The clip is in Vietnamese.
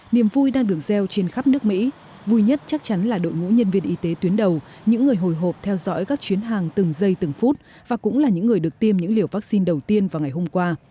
niềm vui đang được gieo trên khắp nước mỹ vui nhất chắc chắn là đội ngũ nhân viên y tế tuyến đầu những người hồi hộp theo dõi các chuyến hàng từng giây từng phút và cũng là những người được tiêm những liều vaccine đầu tiên vào ngày hôm qua